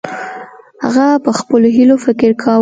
هغه په خپلو هیلو فکر کاوه.